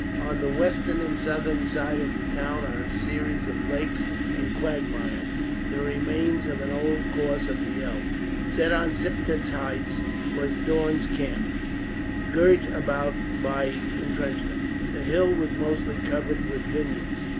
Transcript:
On the western and southern side of the town are a series of lakes and quagmires, the remains of an old course of the Elbe. Set on Siptitz's heights was Daun's camp, girt about by intrenchments. The hill was mostly covered with vineyards.